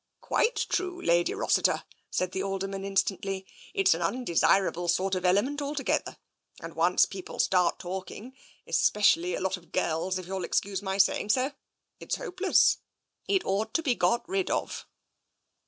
" Quite true. Lady Rossiter," said the Alderman in stantly. " It's an undesirable sort of element alto gether. And once people start talking — especially a lot of girls, if you'll excuse my saying so — it's hope less. It ought to be got rid of."